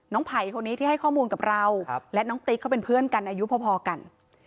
ไผ่คนนี้ที่ให้ข้อมูลกับเราและน้องติ๊กเขาเป็นเพื่อนกันอายุพอกัน